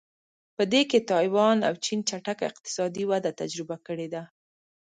په دې کې تایوان او چین چټکه اقتصادي وده تجربه کړې ده.